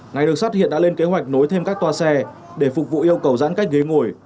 ngành đường sắt hiện đã lên kế hoạch nối thêm các toa xe để phục vụ yêu cầu giãn cách ghế ngồi